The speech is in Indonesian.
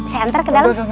saya antar ke dalam